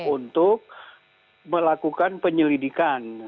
untuk melakukan penyelidikan